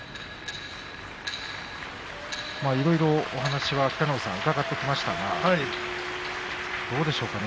いろいろお話、伺ってきましたがどうでしょうかね